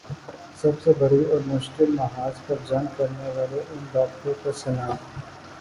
سب سے بڑی اور مشکل محاذ پر جنگ کرنے والے ان ڈاکٹروں کو سلام